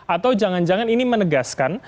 atau jangan jangan ini menegaskan